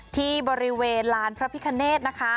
ที่บริเวณลานพระพิคเนธนะคะ